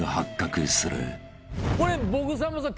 これ僕さんまさん